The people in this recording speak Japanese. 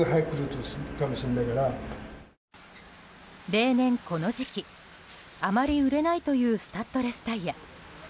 例年、この時期あまり売れないというスタッドレスタイヤ。